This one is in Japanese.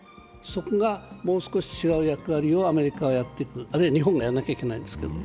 そこがもう少し違う役割をアメリカがやっていく、あるいは日本がやらなきゃいけないんですけどね。